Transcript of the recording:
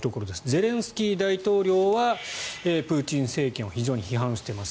ゼレンスキー大統領はプーチン政権を非常に批判してます。